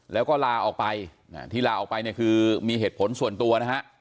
แล้วก็ลาออกไปที่ลาออกไปเนี่ยคือมีเหตุผลส่วนตัวนะฮะ